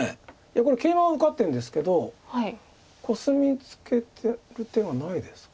いやこれケイマは受かってるんですけどコスミツケる手はないですか？